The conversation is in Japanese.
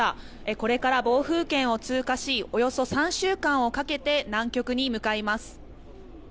これから暴風圏を通過しおよそ３週間をかけて南極に向かいます。